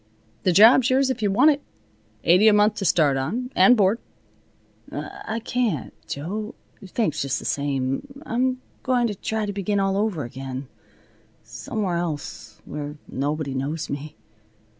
The job's yours if you want it. Eighty a month to start on, and board." "I can't, Jo. Thanks just the same. I'm going to try to begin all over again, somewhere else, where nobody knows me."